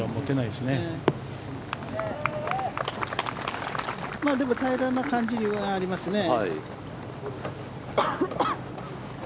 でも、平らな感じはありますね。